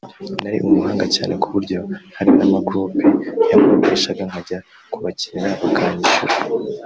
nari umuhanga cyane ku buryo hari n’amagroupe yankodeshaga nkajya kubakinira bakanyishyura